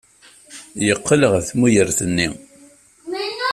Yeqqel ɣer tmugert-nni.